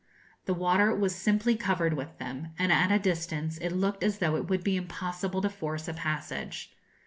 The water was simply covered with them; and at a distance it looked as though it would be impossible to force a passage.